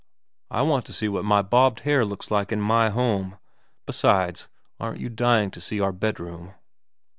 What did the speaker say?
* I want to see what my bobbed hair looks like in my home. Besides, aren't you dying to see our bedroom